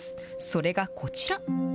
それがこちら。